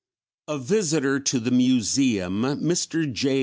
A visitor to the Museum, Mr. J.